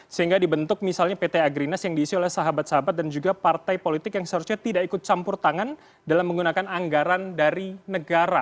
sehingga dibentuk misalnya pt agrinas yang diisi oleh sahabat sahabat dan juga partai politik yang seharusnya tidak ikut campur tangan dalam menggunakan anggaran dari negara